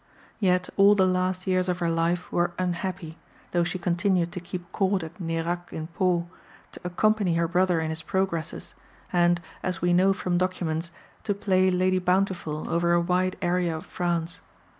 Yet all the last years of her life were unhappy, though she continued to keep Court at Nérac in Pau, to accompany her brother in his progresses, and, as we know from documents, to play Lady Bountiful over a wide area of France.